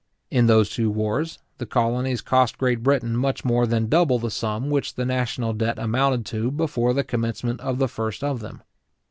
In those two wars, the colonies cost Great Britain much more than double the sum which the national debt amounted to before the commencement of the first of them.